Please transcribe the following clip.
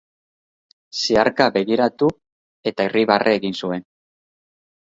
Zeharka begiratu, eta irribarre egin zuen.